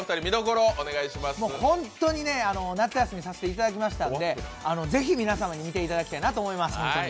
本当に夏休みさせていただきましたのでぜひ、皆様に見ていただきたいなと思います。